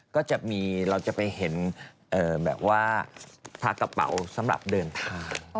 ก็จะมีเราจะไปเห็นแบบว่า๕๕สำหรับเดินทาง